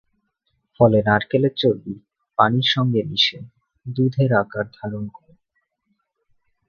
ফলে নারকেলের চর্বি পানির সংগে মিশে দুধের আকার ধারণ করে।